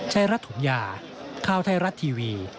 ชัยรัทธุมยาข้าวไทยรัททีวี